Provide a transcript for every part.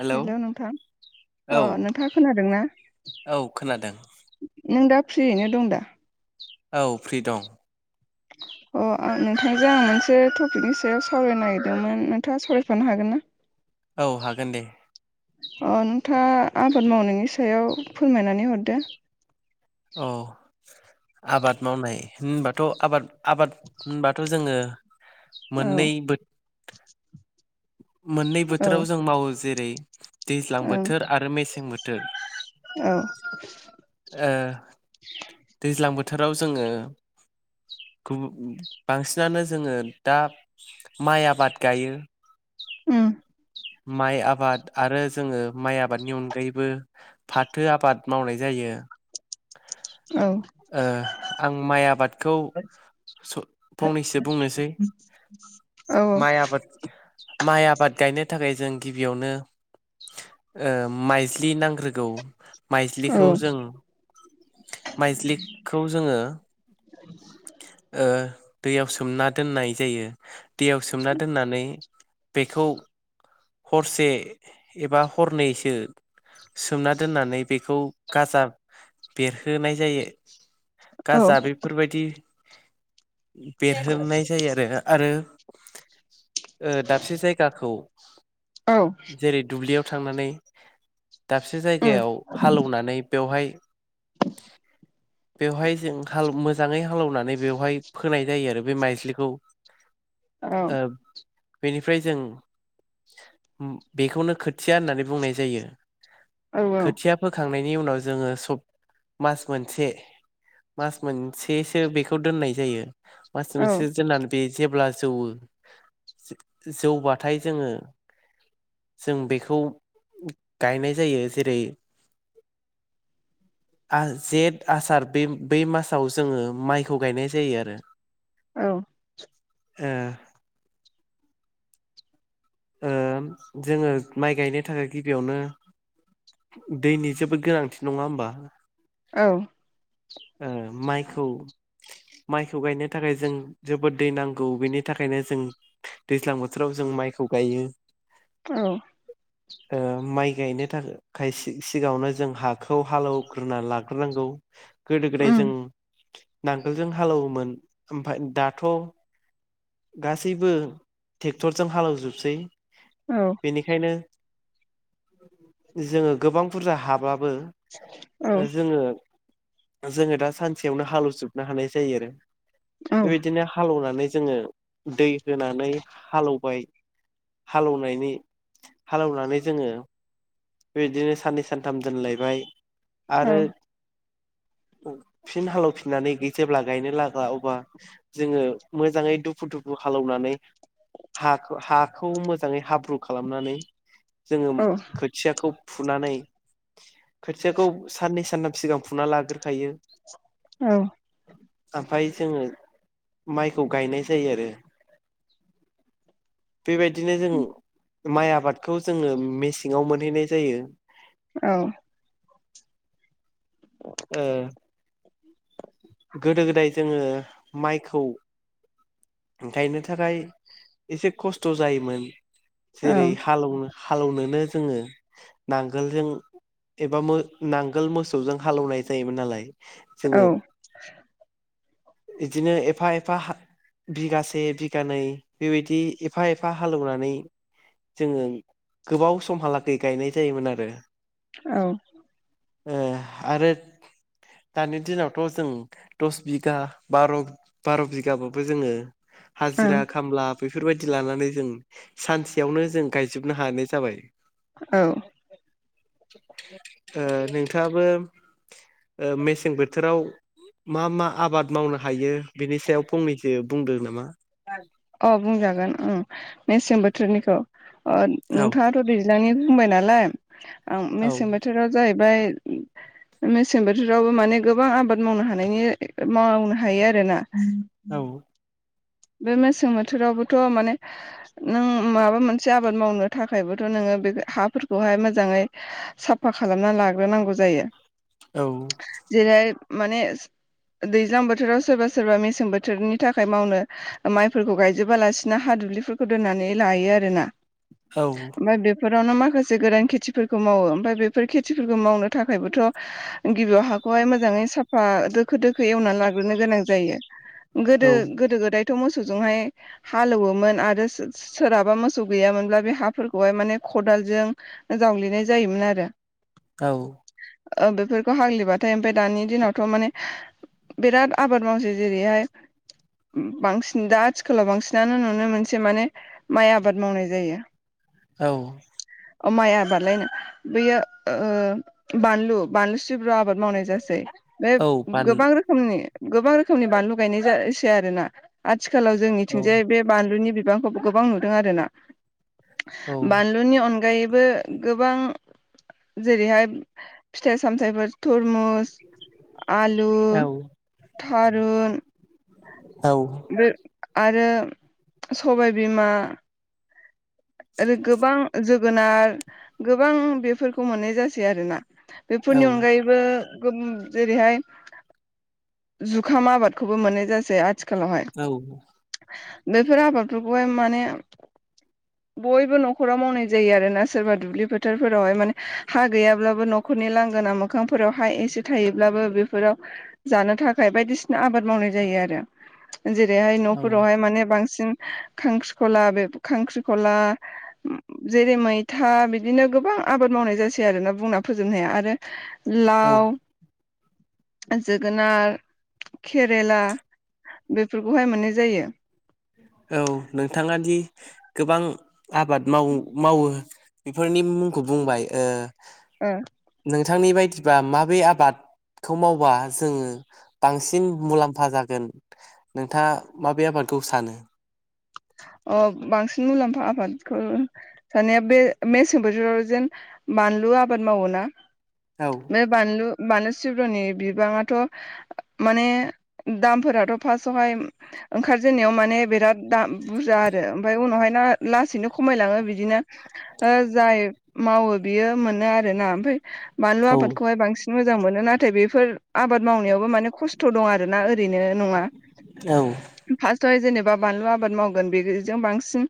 Hello hello नोंथां औ अ नोंथाङा खोनादों ना? औ खोनादों नों दा फ्रियैनो दं दा? औ फ्रि दं। अ आ नोंथांजों आं मोनसे टपिकनि सायाव सावरायनो नागिरदोंमोन नोंथाङा सावरायफानो हागोन ना? औ हागोन दे। अ नोंथाङा आबाद मावनायनि सायाव फोरमायनानै हरदो। अ आबाद मावनाय होनबाथ' आबाद आबाद होनबाथ' जोङो औ मोननै बो मोननै औ बोथोराव जों मावो जेरै दैज्लां ओं बोथोर आरो मेसें बोथोर औ ओ दैज्लां बोथोराव जोङो थुबु बांसिनानो जोङो दा माइ आबाद गायो। उम्म। माइ आबाद आरो जोङो माइ आबादनि अनगायैबो फाथो आबाद मावनाय जायो। औ। ओ आं माइ आबादखौ स फंनैसो बुंनोसै औ माइ आबाद माइ आबाद गायनो थाखाय जों गिबियावनो माइज्लि नांग्रोगौ औ माइज्लिखौ जों माइज्लिखौ जोङो ओ दैयाव सोमना दोननाय जायो। दैयाव सोमना दोननानै बेखौ हरसे एबा हरनैसो सोमना दोननानै बेखौ गाजा बेरहोनाय जायो। औ गाजा बेफोरबायदि बेरहोनाय जायो आरो। आरो ओ दाबसे जायगाखौ औ। जेरै दुब्लियाव थांनानै दाबसे जायगायाव हालेवनानै बेवहाय बेवहाय जों हाल मोजाङै हालौवनानै बेवहाय फोनाय जायो आरो बे माइस्लिखौ। औ ओ बेनिफ्राय जों बेखौनो खोथिया होननानै बुंनाय जायो। खोथिया फोखांनायनि उनाव जोङो सब मास मोनसे मास मोनसेसो बेखौ दोननाय जायो मास मोनसे दोननानै बे जेब्ला जौवो जौबाथाय जोङो जों बेखौ गायनाय जायो जेरै आ जेद आसार बे बै मासाव जोङो माइखौ गायनाय जायो आरो ‌। औ ए ओ जोङो माइ गायनो थाखाय गिबियावनो दैनि जोबोद गोनांथि नङा होमबा? औ ओ माइखौ माइखौ गायनो थाखाय जों जोबोद दै नांगौ बेनि थाखायनो जों दैज्लां बोथोराव जों माइखौ गायो औ ओ माइ गायनो थाखाय सिगाङावनो जों हाखौ हालौवग्रोना लाग्रोनांगौ गोदो गोदाय जों उम नांगोलजों हालौवोमोन ओमफ्राय दाथ' गासैबो ट्रेक्टरजों हालेवजोबसै। औ बेनिखायनो जोङो गोबां बुरजा हाबाबबो औ जोङो जोङो दा सानसेयावनो हालवजोबनो हानाय जायो आरो। औ बेबायदिनो हालेवनानै जोङो दै होनानै हालौवबाय हालेनायनि हालौनानै जोङो बेबायदिनो साननै सानथाम दोनलायबाय आरो [inaudible] फिन हालवफिननानै जेब्ला गायनो लागा अब्ला जोङो मोजाङै दुफु दुफु खालामनानै हा हाखौ मोजाङै हाब्रु खालामनानै जोङो [unintelligible] खोथियाखौ फुनानै खोथियाखौ साननै सानथाम सिगां फुना लाग्रोखायो औ ओमफ्राय जोङो माइखौ गायनाय जायो आरो। बेबायदिनो जों माइ आबादखौ जोङो मेसेङाव मोनहैनाय जायो। औ ओ गोदो गोदाय जोङो माइखौ गायनो थाखाय एसे खस्थ' जायोमोन जेरै हालेवनो हालेनोनो जोङो नांगोलजों एबा मो नांगोल मोसौजों हालौवनाय जायोमोन नालाय जोङो [unintelligible] बिदिनो एफा एफा बिगासे बिगानै बेबायदि एफा एफा हालेवनानै जोङो गोबाव समहालागै गायनाय जायोमोन आरो। औ ओ आरो दानि दिनावथ' जों दस बिगा बार' बार' बिगाबाबो जोङो औ ओं हाजिरा खामला बेफोरबायदि लानानै जों सानसेयावनो जों गायजोबनो हानाय जाबाय औ नोंथाङाबो मेसें बोथोराव मा मा आबाद मावनो हायो बिनि सायाव फंनैसो बुंदों नामा अ बुंजागोन ओं मेसें बोथोरनिखौ अ औ नोंथा थ' दैज्लांनि बुंबाय नालाय आं औ मेसें बोथोराव जाहैबाय मेसें बोथोरावबो माने गोबां आबाद मावनो हानायनि मावनो हायो आरोना। औ। बे मेसें बोथोरावबोथ' माने नों माबा मोनसे आबाद मावनो थाखायबोथ' नोङो बे हाफोरखौहाय मोजाङै साफा खालामना लाग्रोनांगौ जायो। औ। जेरैहाय माने दैज्लां बोथोराव सोरबा सोरबा मेसें बोथोरनि थाखाय मावनो माइफोरखौ गायजोबालासिनो हा दुब्लिफोरखौ दोननानै लायो आरोना। औ [inaudible] ओमफाय बेफ फोरावनो माखासे गोरान खेथिफोरखौ मावो ओमफाय बेफोर खेथिफोरखौ मावनो थाखायबोथ' गिबियाव हाखौहाय मोजाङै साफा दोखो दोखो एवनानै लाग्रोनो गोनां जायो। गोदो औ गोदो गोदायथ' मोसौजोंहाय हालेवोमोन आरो सोरहाबा मोसौ गैयामोनब्ला बे हाफोरखौहाय माने खदालजों जावललिनाय जायोमोन आरो। औ। ओ बेफोरखौ हाग्लिबाथाय ओमफ्राय दानि दिनावथ' माने बिराद आबाद मावसै जेरैहाय बांसिन दा आथिखालाव बांसिनानो नुनो मोनसे माने माइ आबाद मावनाय जायो। औ। अ माइ आबाद लायनो बैयो ओ बानलु बानलु सिब्रु आबाद मावनाय जासै। बे औ बान गोबां रोखोमनि गोबां रोखोमनि बानलु गायनाय जासै आरोना। आथिखालाव औ जोंनिथिंजाय बे बानलुनि बिबांखौबो गोबां नुदों आरोना। औ बानलुनि अनगायैबो गोबां जेरैहाय फिथाइ सामथाइफोर थरमुस आलु, औ थारुन औ। ओ आरो सबायबिमा आरो गोबां जोगोनार गोबां बेफोरखौ मोननाय जासै आरोना। औ बेफोरनि अनगायैबो गोम जेरैहाय जुखाम आबादखौबो मोननाय जासै आथिखालावहाय। औ। बेफोर आबादफोरखौहाय माने बयबो न'खराव मावनाय जायो आरोना। सोरबा दुब्लि फोथारफोरावहाय माने हा गैयाब्लाबो न'खरनि लांगोना मोखांफोरावहाय एसे थायोब्लाबो बेफोराव जानो थाखाय बायदिसिना आबाद मावनाय जायो आरो। जेरैहाय न'फोरावहाय औ माने बांसिन खांख्रिख'ला बे खांख्रिख'ला उम जेरै मैथा बिदिनो गोबां आबाद मावनाय जासै आरोना बुंना फोजोबनो हाया आरो औ लाव [inaudible] जोगोनार केरेला बेफोरखौहाय मोननाय जायो। औ नोंथाङा दि गोबां आबाद माव-मावो बेफोरनि मुंखौ बुंबाय ओ ओ। नोंथांनि बायदिब्लाा माबे आबाद खौ मावबा जोङो बांसिन मुलाम्फा जागोन? नोंथाङा माबे आबादखौ सानो? अ बांसिन मुलाम्फा आबादखौ दानिया बे मेसें बोथोराव जेन बानलु आबाद मावोना। औ। बे बानलु बानलु सिब्रनि बिबाङाथ' माने दामफोराथ' फार्स्टआवहाय ओंखारजेननायाव माने बिराद दाम बुरजा आरो आमफ्राय उनावहाय ना लासैनो खमायलाङो बिदिनो ओ जाय मावो बियो मोनो आरोना। आमफ्राय बानलु औ आफादखौहाय बां मोजां मोनो नाथाय बेफोर आबाद मावनायावबो माने खस्थ' दं आरोना ओरैनो नङा औ फास्ट आवहाय जेनेबा बानलु आबाद माव गोन बेजों बांसिन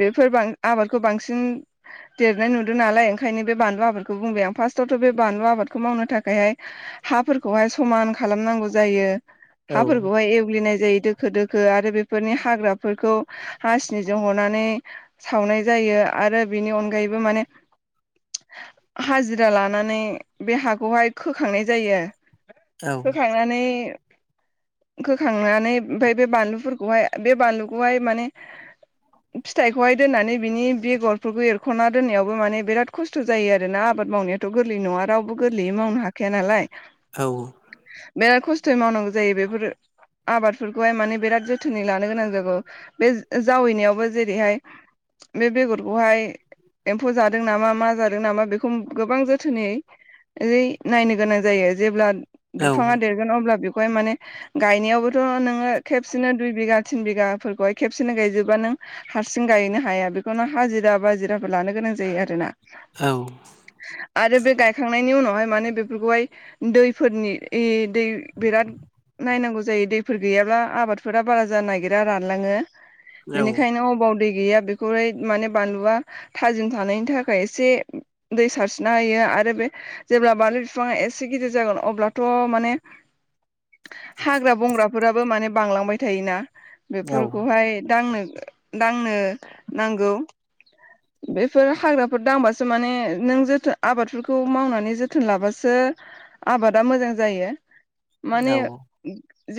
बेफोर आबादखौ बांसिन देरनाय नुदों नालाय ओंखायनो बे बानलु आबादखौ बुंबाय आं फार्स्टआवथ' बे बानलु आबादखौ मावनो थाखायहाय हाफोरखौहाय समान खालामनांगौ जायो औ हाफोरखौहाय एवग्लिनाय जायो दोखो दोखो आरो बेफोरनि हाग्रा फोरखौ हासिनिजों हनानै सावनाय जायो आरो बेनि अनगायैबो माने हाजिरा लानानै बे हाखौहाय खोखांनाय जायो औ खोखां नानै खोखांनानै आमफाय बे बानलुफोरखौहाइ बे बालु खौहाय माने फिथाइखौहाय दोननानै बिनि बेगरफोरखौ एरख'ना दोननायावबो माने बिराद खस्थ' जायो आरोना आबाद मावनायाव थ' गोरलै नङा रावबो गोरलैयै मावनो हाखाया नालाय औ बिराद खस्थ'यै मावनांगौ जायो बेफोरो आबादफोरखौहाय माने बिराद जोथोनै लानो गोनां जागौ बे जावैनायावबो जेरैहाय बे बेगरखौहाय एम्फौ जादों नामा मा जादों नामा बेखौ गोबां जोथोनै ओइ नायनो गोनां जायो जेब्ला औ बिफाङा देरगोन अब्ला बेखौहाय माने गायनायावबोथ' नोङो खेबसेनो दुइ बिगा थिन बिगा फोरखौहाय खेबसेनो गायजोबा नों हारसिं गायनो हाया बेखौनो हाजिरा बाजिराफोर लानो गोनां जायो आरोना। औ आरो बे गायखांनायनि उनावहाय माने बेफोरखौहाय दैफोरनि ई दै बिराद नायनांगौ जायो दैफोर गैयाब्ला आबादफोरा बारा जानो नागिरा रान लाङो। बेनिखायनो अबाव दै गैया बेखौहाय माने बानलुआ थाजिम थानायनि थाखाय एसे दै सारस्रिना होयो आरो बे जेब्ला बानलु बिफाङा एसे गिदिर जागोन अब्लाथ' माने हाग्रा बंग्राफोराबो माने बांलांबाय थायोना। बेफोरखौहाय दांनो दांनो नांगौ बेफोर हाग्राफोर दांबासो माने नों जोथोन आबादफोरखौ मावनानै जोथोन लाबासो आबादा मोजां जायो औ माने औ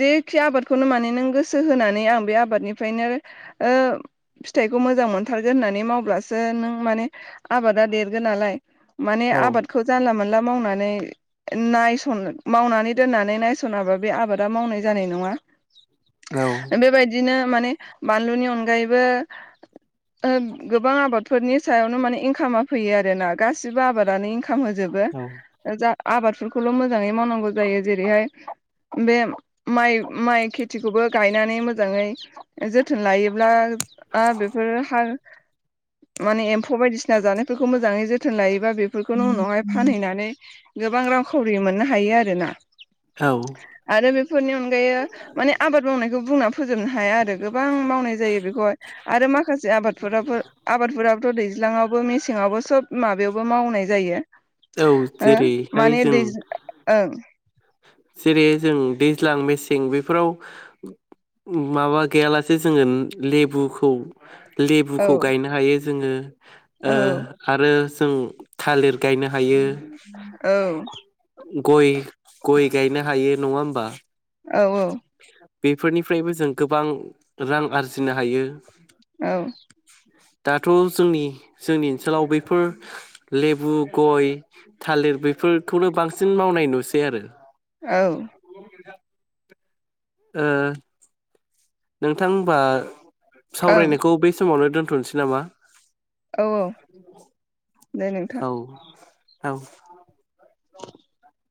जेखि आबादखौनो माने नों गोसो होनानै आं बे आबादनिफ्रायनो ओ फिथाइखौ मोजां मोनथारगोन होननानै मावब्ला सो नों माने आबादा देरगोन नालाय माने आबादखौ जानला मोनला मावनानै नायसन मावनानै दोननानै नायस'नाबा बे आबादा मावनाय जानाय नङा औ बेबायदिनो माने बानलुनि अनगायैबो ओ गोबां आबाद फोरनि सायावनो माने इनकामा फैयो आरोना। गासिबो आबादानो इनकाम होजोबो। जा आबादफोरखौल' मोजाङै मावनांगौ जायो जेरैहाय बे माइ माइ खेथिखौबो गायनानै मोजाङै। जोथोन लायोब्ला बेफोरो हा माने एम्फौ बायदिसिना जानायफोरखौ मोजाङै जोथोन लायोबा बेफोरखौनो उनावहाय फानहैनानै गोबां रांखावरि मोननो हायो आरो ना। औ। आरो बेफोरनि अनगायै माने आबाद मावनायखौ बुंना फोजोबनो हाया आरो। गोबां मावनाय जायो बेखौहाय आरो माखासे आबादफोराबो आबादफोराबोथ' दैज्लाङावबो मेसेङावबो सब माबायावबो मावनाय जायो। औ ओ जेरैहाय माने जों दैज्लां ओं जेरै जों दैज्लां मेसें बेफोराव उम माबा गैयालासे जोङो लेबुखौ औ लेबुखौ गायनो हायो जोङो औ ओ आरो जों थालिर गायनो हायो औ। गय गय गायनो हायो नङा होमबा? औ औ। बेफोरनिफ्रायबो जों गोबां रां आरजिनो हायो। औ। दाथ' जोंनि जोंनि ओनसोलाव बैफोर लेबु गय थालिर बेफोरखौनो बांसिन मावनाय नुसै आरो। औ। ओ। नोंथां होनबा ओं सावरायनायखौ बे समावनो दोनथ'नोसै नामा? औ औ। दे नोंथां औ औ। [inaudible]